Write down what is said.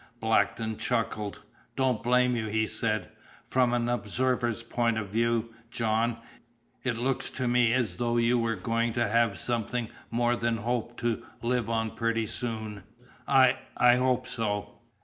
Blackton chuckled. "Don't blame you," he said. "From an observer's point of view, John, it looks to me as though you were going to have something more than hope to live on pretty soon!" "I I hope so."